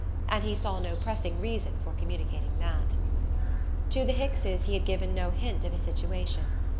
And he saw no pressing reason for communicating that. To the Hickses he had given no hint of his situation.